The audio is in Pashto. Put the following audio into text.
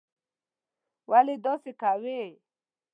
ولي داسې کوې?